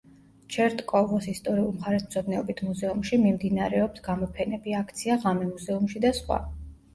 ჩერტკოვოს ისტორიულ-მხარეთმცოდნეობითი მუზეუმში მიმდინარეობს გამოფენები, აქცია „ღამე მუზეუმში“ და სხვა.